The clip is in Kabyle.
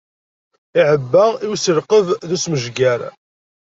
Iɛebba i uselqeb d usmejger.